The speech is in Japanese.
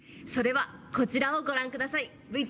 それはこちらをご覧下さい。